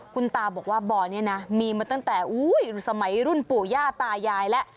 คุณตาบอกว่าบ่อนี้นะมีมาตั้งแต่สมัยรุ่นปู่ย่าตายายแล้ว